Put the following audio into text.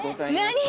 何？